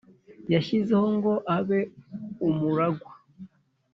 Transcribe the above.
yashyizeho ngo abe umuragwa